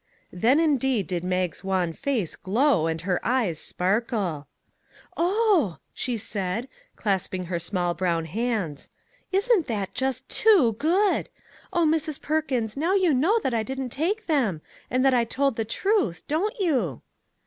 Then indeed did Mag's wan face glow and her eyes sparkle. " Oh !" she said, clasping her small brown hands, " isn't that just too good ! Oh, Mrs. Perkins, now you know that I did not take them, and that I told the truth, don't you?